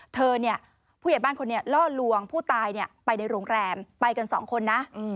เธอเนี่ยผู้ใหญ่บ้านคนนี้ล่อลวงผู้ตายไปในโรงแรมไปกันสองคนนะ